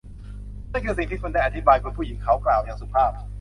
นั่นคือสิ่งที่คุณได้อธิบาย คุณผู้หญิง เขากล่าวอย่างสุภาพ